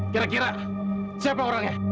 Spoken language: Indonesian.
kira kira siapa orangnya